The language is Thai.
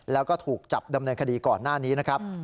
แล้วก็ถูกจับดำเนินคดีก่อนหน้านี้นะครับ